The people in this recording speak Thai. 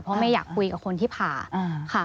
เพราะไม่อยากคุยกับคนที่ผ่าค่ะ